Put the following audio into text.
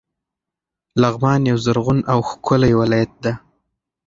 لغمان یو زرغون او ښکلی ولایت ده.